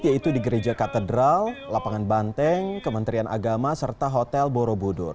yaitu di gereja katedral lapangan banteng kementerian agama serta hotel borobudur